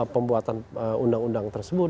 pembuatan undang undang tersebut